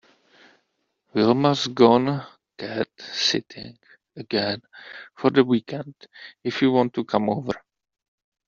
Wilma’s gone cat sitting again for the weekend if you want to come over.